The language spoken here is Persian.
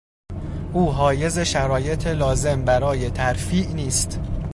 او حایز شرایط لازم برای ترفیع نیست.